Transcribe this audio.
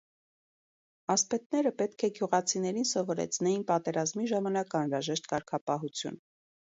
Ասպետները պետք է գյուղացիներին սովորեցնեին պատերազմի ժամանակ անհրաժեշտ կարգապահություն։